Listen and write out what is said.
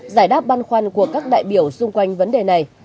giải đáp băn khoăn của các đại biểu xung quanh vấn đề này